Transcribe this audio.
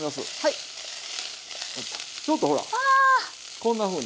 こんなふうに。